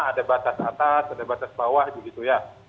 ada batas atas ada batas bawah begitu ya